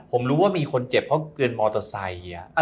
ผมรู้ว่ามีคนเจ็บเพราะเกินมอเตอร์ไซค์